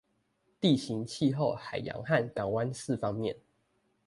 地形、氣候、海洋和港灣四方面